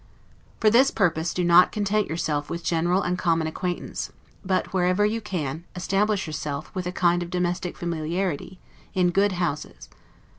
For this purpose do not content yourself with general and common acquaintance; but wherever you can, establish yourself, with a kind of domestic familiarity, in good houses.